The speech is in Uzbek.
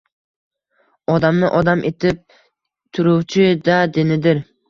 Odamni odam etib turuvchi-da dinidir.